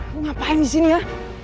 mau ngapain di sini ya